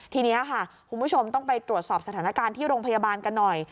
ทีนี้ค่ะคุณผู้ชมต้องไปตรวจสอบสถานการณ์ที่โรงพยาบาลกันหน่อย